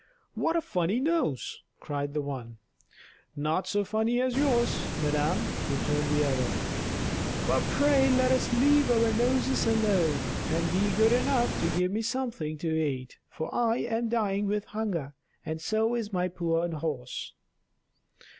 "What a funny nose?" cried the one. "Not so funny as yours, madam," returned the other. "But pray let us leave our noses alone, and be good enough to give me something to eat, for I am dying with hunger, and so is my poor horse."